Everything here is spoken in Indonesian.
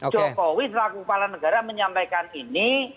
jokowi selaku kepala negara menyampaikan ini